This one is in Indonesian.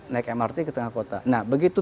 naik mrt ke tengah kota nah begitu